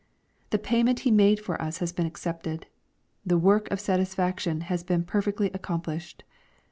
The payment He made for us has been accepted. The work of satis faction has been perfectly accomplished.